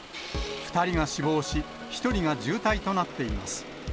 ２人が死亡し、１人が重体となっています。